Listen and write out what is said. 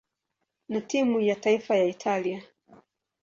na timu ya taifa ya Italia.